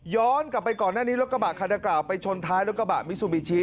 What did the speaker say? กลับไปก่อนหน้านี้รถกระบะคันดังกล่าวไปชนท้ายรถกระบะมิซูบิชิ